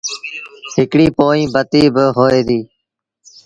هڪڙي پوئيٚن بتيٚ با هوئي دي